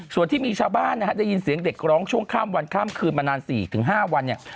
ส่วนที่มีชาวบ้านนะฮะได้ยินเสียงเด็กร้องช่วงข้ามวันข้ามคืนมานาน๔๕วันเนี่ย